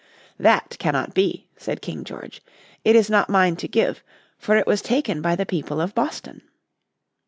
"That cannot be," said King George. "It is not mine to give, for it was taken by the people of Boston."